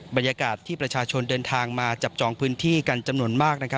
บรรยากาศที่ประชาชนเดินทางมาจับจองพื้นที่กันจำนวนมาก